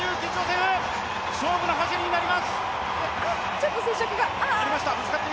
ちょっと接触が！